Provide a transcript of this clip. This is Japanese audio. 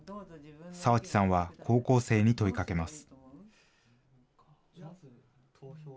澤地さんは高校生に問いかけます。